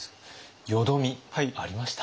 淀みありました？